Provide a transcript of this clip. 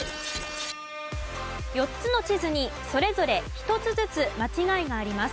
４つの地図にそれぞれ１つずつ間違いがあります。